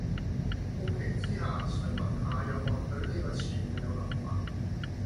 好奇之下，想問下有無人對呢個詞彙有諗法